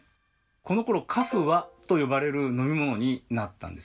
このころ「カフワ」と呼ばれる飲み物になったんですね。